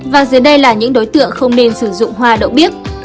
và dưới đây là những đối tượng không nên sử dụng hoa đậu bí